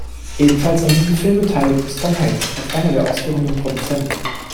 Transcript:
Ebenfalls an diesem Film beteiligt ist Tom Hanks als einer der ausführenden Produzenten.